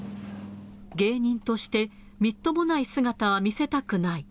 芸人としてみっともない姿は見せたくない。